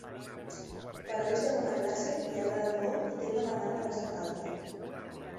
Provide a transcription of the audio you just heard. Però és de bona classe i agrada molt i té una demanda bastant alta.